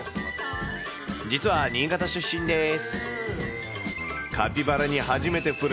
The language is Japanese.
実は新潟出身です。